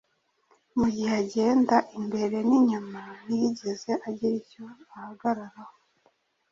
mu gihe agenda imbere n’inyuma, ntiyigere agira icyo ahagararaho.